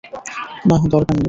নাহ, দরকার নেই।